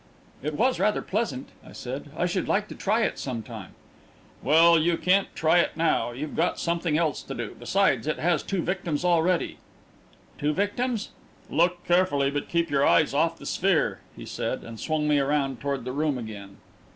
"It was rather pleasant," I said. "I should like to try it some time." "Well, you can't try it now. You've got something else to do. Besides, it has two victims already." "Two victims?" "Look carefully, but keep your eyes off the sphere," he said, and swung me around toward the room again.